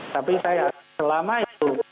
tapi saya selama itu